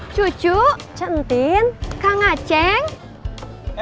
cucu entin kang aceh